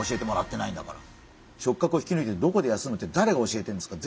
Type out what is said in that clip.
触角を引きぬいてどこで休むってだれが教えてんですか？